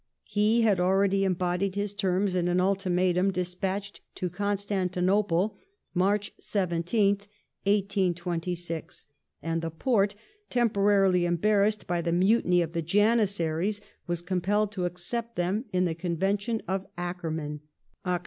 He had already embodied his terms in an ultimatum despatched to Constantinople (March 17th, 1826), and the Porte, temporarily embarrassed by the mutiny of the Janissaries, was compelled to accept them in the Convention of Ackermann (Oct.